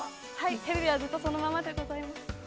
ヘビはずっとそのままでございます。